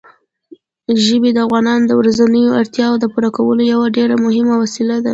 ژبې د افغانانو د ورځنیو اړتیاوو د پوره کولو یوه ډېره مهمه وسیله ده.